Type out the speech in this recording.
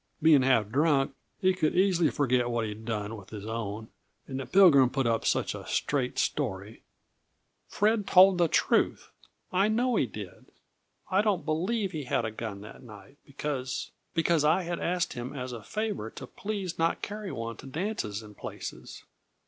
Being half drunk, he could easy forget what he'd done with his own, and the Pilgrim put up such a straight story " "Fred told the truth. I know he did. I don't believe he had a gun that night, because because I had asked him as a favor to please not carry one to dances and places.